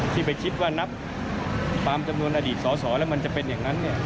ที่ไปคิดนับเอาอดีตมนตรสอและมันจะเป็นแบบนั้น